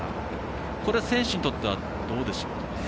これは選手にとってはどうでしょうか。